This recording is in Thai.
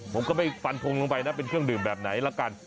ผมก็ไม่ฟันทงลงไปนะเป็นเครื่องดื่มแบบไหนละกัน